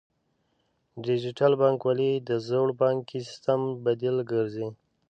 ډیجیټل بانکوالي د زوړ بانکي سیستم بدیل ګرځي.